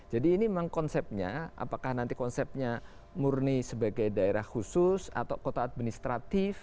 jadi ini memang konsepnya apakah nanti konsepnya murni sebagai daerah khusus atau kota administratif